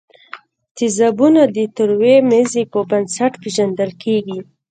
تیزابونه د تروې مزې په بنسټ پیژندل کیږي.